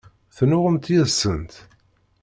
Tennuɣemt yid-sen?